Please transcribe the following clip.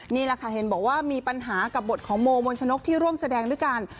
นี่แหละค่ะเห็นบอกว่ามีปัญหากับบทของโมมนชนกที่ร่วมแสดงด้วยกัน